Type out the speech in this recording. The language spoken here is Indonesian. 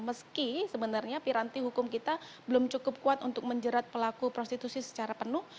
meski sebenarnya piranti hukum kita belum cukup kuat untuk menjerat pelaku prostitusi secara penuh